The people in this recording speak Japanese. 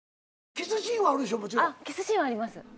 キスシーンはあります。